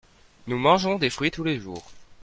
nous mangeons des fruits tous les jours.